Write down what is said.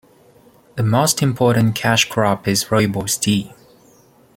The most important cash crop is rooibos tea.